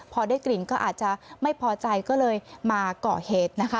พอได้กลิ่นก็อาจจะไม่พอใจก็เลยมาเกาะเหตุนะคะ